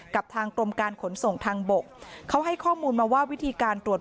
กับทางกรมการขนส่งทางบกเขาให้ข้อมูลมาว่าวิธีการตรวจ